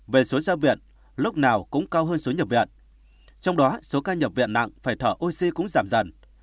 về số ra viện lúc nào cũng cao hơn số nhập viện trong đó số ca nhập viện nặng phải thở oxy cũng giảm dần